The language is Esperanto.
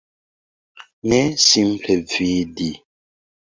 Ne, simple vidi.